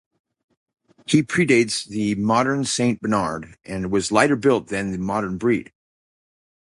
He predates the modern Saint Bernard, and was lighter built than the modern breed.